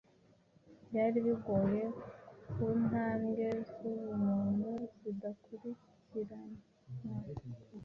Byari bigoye, ku ntambwe zubumuntu zidakurikiranwa